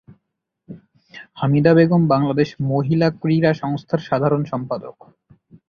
হামিদা বেগম বাংলাদেশ মহিলা ক্রীড়া সংস্থার সাধারণ সম্পাদক।